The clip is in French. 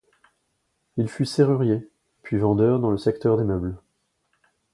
Il fut serrurier, puis vendeur dans le secteur des meubles.